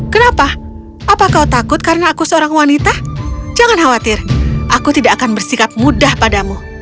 kenapa apa kau takut karena aku seorang wanita jangan khawatir aku tidak akan bersikap mudah padamu